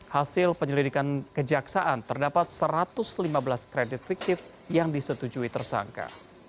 hasil penyelidikan kejaksaan terdapat satu ratus lima belas kredit fiktif yang disetujui tersangka